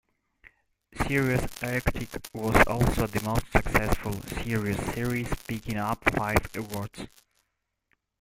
"Serious Arctic" was also the most successful "Serious" series picking up five awards.